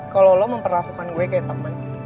kalau lu memperlakukan gue kayak teman